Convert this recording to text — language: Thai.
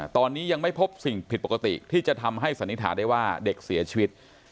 ตอนนี้ยังไม่พบสิ่งผิดปกติที่จะทำให้สันนิษฐานได้ว่าเด็กเสียชีวิต